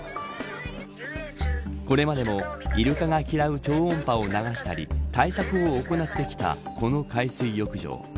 これまでもイルカが嫌う超音波を鳴らしたり対策を行ってきたこの海水浴場。